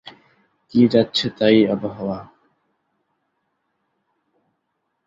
কী যাচ্ছেতাই আবহাওয়া।